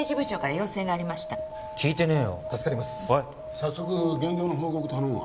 早速現状の報告頼むわ。